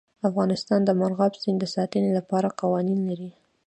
افغانستان د مورغاب سیند د ساتنې لپاره قوانین لري.